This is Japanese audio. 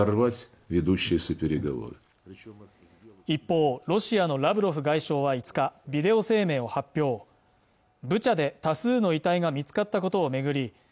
一方ロシアのラブロフ外相は５日ビデオ声明を発表ブチャで多数の遺体が見つかったことを巡り